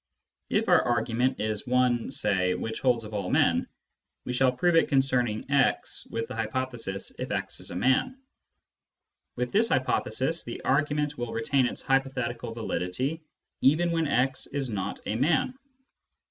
If our argument is one (say) which holds of all men, we shall prove it concerning " x," with the hypothesis " if x is a man." With 198 Introduction to Mathematical Philosophy this hypothesis, the argument will retain its hypothetical validity even when x is not a man.